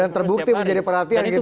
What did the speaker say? dan terbukti menjadi perhatian gitu kan